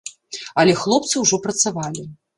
Але хлопцы ўжо працавалі.